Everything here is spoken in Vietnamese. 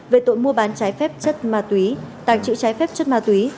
về tội mua bán trái phép chất ma túy tàng trữ trái phép chất ma túy